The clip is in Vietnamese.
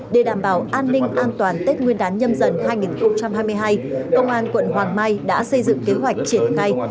để đảm bảo an ninh an toàn tết nguyên đán nhâm dần hai nghìn hai mươi hai công an quận hoàng mai đã xây dựng kế hoạch triển khai